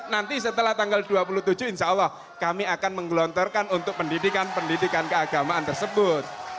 nanti setelah tanggal dua puluh tujuh insya allah kami akan menggelontorkan untuk pendidikan pendidikan keagamaan tersebut